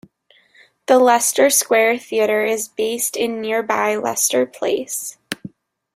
The Leicester Square Theatre is based in nearby Leicester Place.